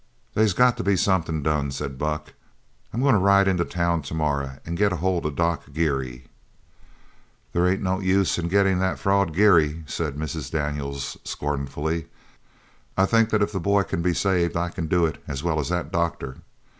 "They's got to be somethin' done," said Buck. "I'm goin' to ride into town tomorrow an' get ahold of Doc Geary." "There ain't no use of gettin' that fraud Geary," said Mrs. Daniels scornfully. "I think that if the boy c'n be saved I c'n do it as well as that doctor.